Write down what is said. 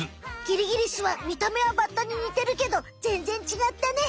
キリギリスは見た目はバッタににてるけどぜんぜんちがったね。